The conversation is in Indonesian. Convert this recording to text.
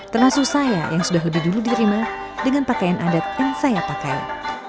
termasuk saya yang sudah lebih dulu diterima dengan pakaian adat yang saya pakai